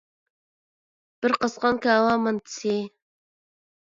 بىر قاسقان كاۋا مانتىسى.